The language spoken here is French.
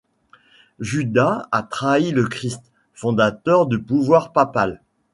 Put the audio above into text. Judas a trahi le Christ, fondateur du pouvoir papal.